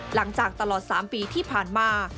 หลังจากตลอด๓ปีที่ผ่านมา